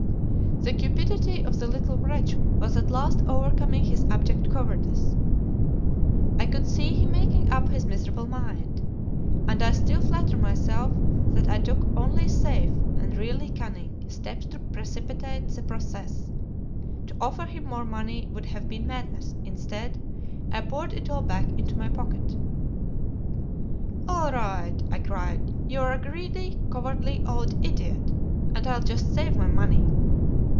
The cupidity of the little wretch was at last overcoming his abject cowardice. I could see him making up his miserable mind. And I still flatter myself that I took only safe (and really cunning) steps to precipitate the process. To offer him more money would have been madness; instead, I poured it all back into my pocket. "All right!" I cried; "you're a greedy, cowardly, old idiot, and I'll just save my money."